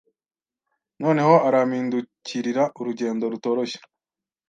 Noneho arampindukirira urugendo rutoroshye